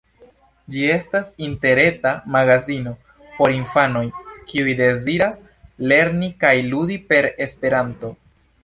Ĝi estas interreta magazino por infanoj, kiuj deziras lerni kaj ludi per Esperanto.